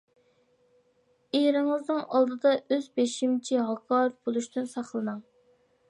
ئېرىڭىزنىڭ ئالدىدا ئۆز بېشىمچى، ھاكاۋۇر بولۇشتىن ساقلىنىڭ.